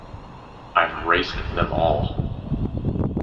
I've raced them all.